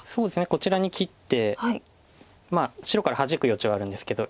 こちらに切って白からハジく余地はあるんですけど。